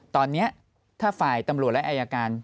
ตอนนี้ถ้าฝ่ายตำรวจและอายการ